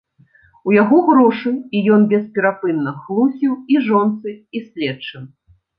У яго грошы, і ён бесперапынна хлусіў і жонцы, і следчым.